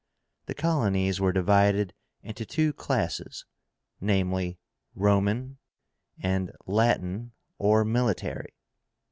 The colonies were divided into two classes, viz. Roman, and Latin or military.